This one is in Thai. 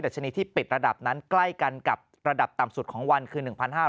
ชนีที่ปิดระดับนั้นใกล้กันกับระดับต่ำสุดของวันคือ๑๕๐